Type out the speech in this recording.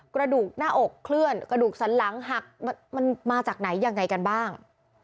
กระดูกหน้าอกเคลื่อนกระดูกสันหลังหักมันมาจากไหนยังไงกันบ้าง